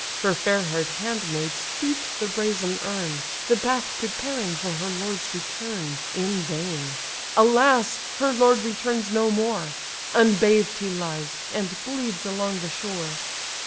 Her fair haired handmaids heat the brazen urn, The bath preparing for her lord's return In vain; alas! her lord returns no more; Unbathed he lies, and bleeds along the shore!